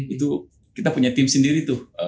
itu kita punya tim sendiri tuh